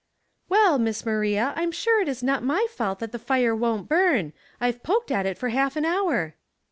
" Well, Miss Maria, Fm sure it is not my fault that the fire won't burn. I've poked at it ■*'^r half an hour."